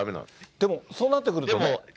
でもそうなってくると。